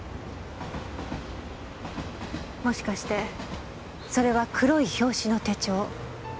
もしかしてそれは黒い表紙の手帳？